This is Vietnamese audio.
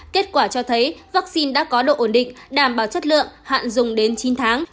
kết quả cho thấy vaccine đã có độ ổn định đảm bảo chất lượng hạn dùng đến chín tháng